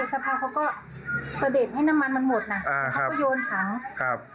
สักพักเขาก็เสด็จให้น้ำมันมันหมดน่ะอ่าเขาก็โยนถังครับ